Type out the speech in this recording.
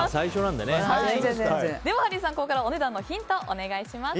ではハリーさん、ここからはお値段のヒントをお願いします。